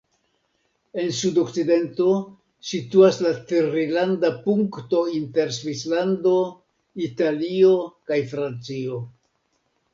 En sudokcidento situas la trilanda punkto inter Svislando, Italio kaj Francio.